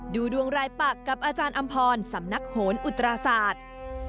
ดูดวงรายปักกับอาจารย์อำพรสำนักโหนอุตราศาสตร์